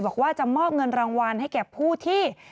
บอกว่าจะมอบเงินรางวัลให้แก่ผู้ที่